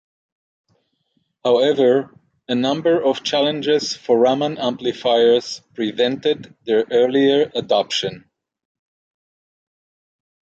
However, a number of challenges for Raman amplifiers prevented their earlier adoption.